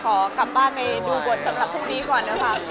คืนนี้ขอกลับบ้านไปดูบทสำหรับพวกนี้ก่อนนะครับ